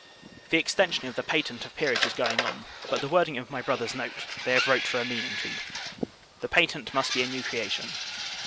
The extension of the patent of peerage is going on; but the wording of my brother's note, they have wrote for a meaning to. The patent must be a new creation.